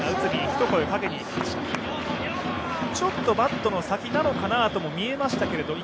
ちょっとバットの先なのかなとも見えましたけれども。